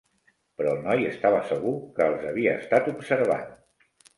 Però el noi estava segur que els havia estat observant.